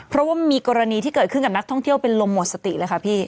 เพราะว่ามีกรณีที่เกิดขึ้นกับนักท่องเที่ยวเป็นลมหมดสติเลยค่ะพี่